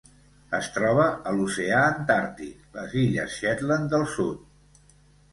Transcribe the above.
Es troba a l'oceà Antàrtic: les illes Shetland del Sud.